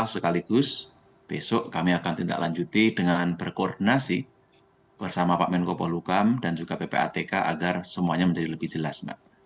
sekaligus besok kami akan tindak lanjuti dengan berkoordinasi bersama pak menko polukam dan juga ppatk agar semuanya menjadi lebih jelas mbak